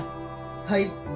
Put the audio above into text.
はい。